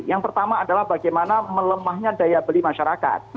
yang pertama adalah bagaimana melemahnya daya beli masyarakat